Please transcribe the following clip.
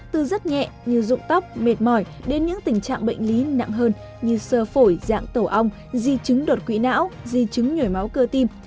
từ rất nhẹ như rụng tóc mệt mỏi đến những tình trạng bệnh lý nặng hơn như sơ phổi dạng tổ ong di chứng đột quỵ não di chứng nhồi máu cơ tim